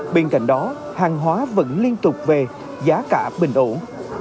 bên cạnh đó hàng hóa vẫn liên tục về giá cả bình ổn